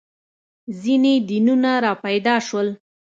• ځینې دینونه راپیدا شول.